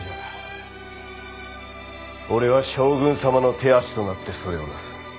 俺は将軍様の手足となってそれをなす。